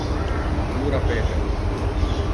Cura Peter.